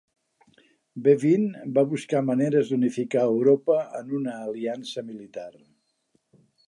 Bevin va buscar maneres d'unificar Europa en una aliança militar.